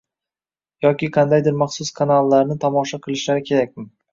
yoki qandaydir maxsus kanallarni tomosha qilishlari kerakmi?